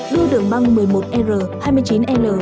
đưa đường băng một mươi một r hai mươi chín l